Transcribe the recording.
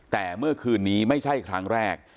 แต่เมื่อคืนนี้ไม่ใช่ครั้งแรก